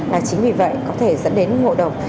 và chính vì vậy có thể dẫn đến ngộ độc